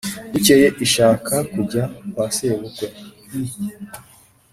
bukeye ishaka kujya kwa sebukwe. i